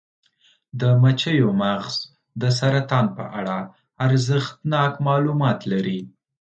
د مچیو مغز د سرطان په اړه ارزښتناک معلومات لري.